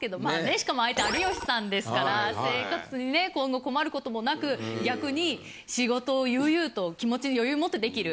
しかも相手は有吉さんですから生活にね今後困ることもなく逆に仕事を悠々と気持ちに余裕持ってできる。